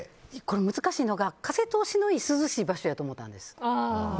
難しいのが風通しのいい涼しい場所やと思ったんです。